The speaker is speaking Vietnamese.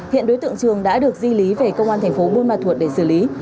hiện đối tượng trường đã được di lý về công an thành phố bưu mà thuột để xử lý